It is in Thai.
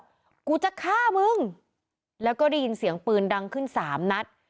กูจะฆ่ามึงแล้วก็ได้ยินเสียงปืนดังขึ้นสามนัด